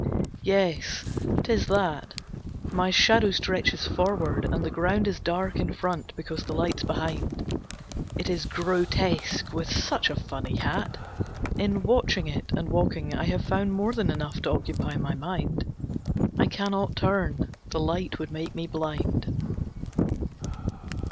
Yes, 'tis that! My shadow stretches forward, and the ground Is dark in front because the light's behind. It is grotesque, with such a funny hat, In watching it and walking I have found More than enough to occupy my mind. I cannot turn, the light would make me blind.